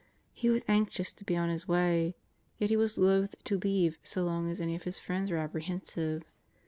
He was anxious to be on his way. Yet he was loath to leave so long as any of his friends were apprehensive.